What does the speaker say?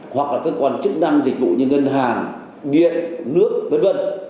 hoặc là cơ quan chức năng dịch vụ như ngân hàng điện nước v v